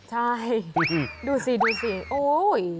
ใช่ดูสิดูสิโอ๊ย